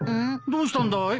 どうしたんだい？